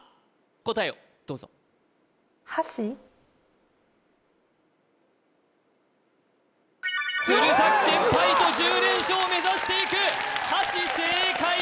答えをどうぞ鶴崎先輩と１０連勝目指していく箸正解！